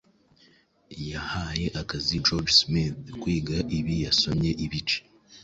yahaye akazi George Smith kwiga ibi yasomye ibice